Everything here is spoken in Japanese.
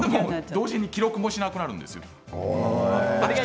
同時に記録もしなくなるんですよ。